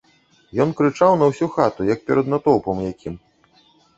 Ён крычаў на ўсю хату, як перад натоўпам якім.